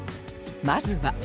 まずは